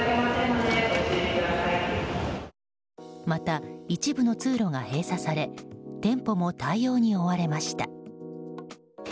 また、一部の通路が閉鎖され店舗も対応に追われました。